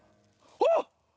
あっ！